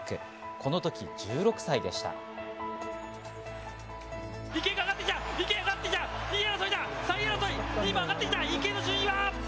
この時、１６歳でした。